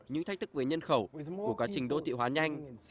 những thách thức với nhân khẩu của quá trình đô thị hóa nhanh